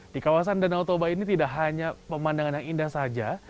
di kawasan danau toba ini tidak hanya pemandangan yang indah saja